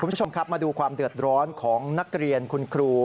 คุณผู้ชมครับมาดูความเดือดร้อนของนักเรียนคุณครู